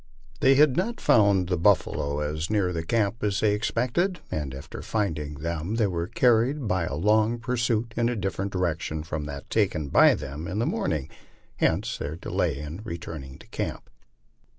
They had not found the buffalo as near camp as they had expected, and after finding them were car ried by a long pursuit in a different direction from that taken by them in the morning. Hence their delay in returning to camp.